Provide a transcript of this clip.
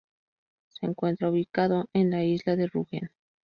Se encuentra ubicado en la isla de Rügen.